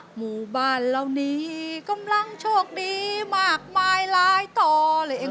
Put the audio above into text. หมู่บ้านเหล่านี้กำลังโชคดีมากมายหลายต่อเลยเอง